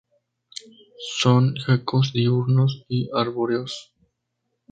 Son geckos diurnos y arbóreos.